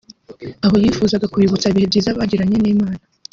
aho yifuzaga kubibutsa ibihe byiza bagiranye n'Imana